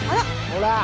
ほら！